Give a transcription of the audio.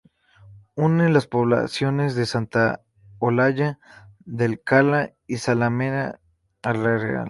Une las poblaciones de Santa Olalla del Cala y Zalamea la Real.